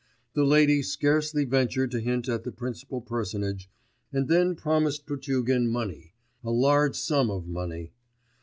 The lady scarcely ventured to hint at the principal personage, and then promised Potugin money ... a large sum of money.